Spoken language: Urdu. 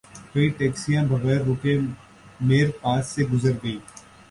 کئی ٹیکسیاں بغیر رکے میر پاس سے گزر گئیں